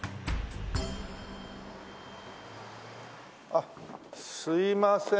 あっすいません。